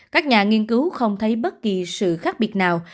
các nhà nghiên cứu không thấy bất kỳ sự khác biệt nào